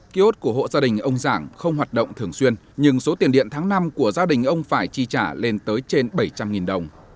ký ốt của hộ gia đình ông giảng không hoạt động thường xuyên nhưng số tiền điện tháng năm của gia đình ông phải chi trả lên tới trên bảy trăm linh đồng